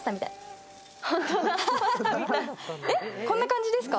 こんな感じですか？